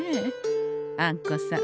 あんこさん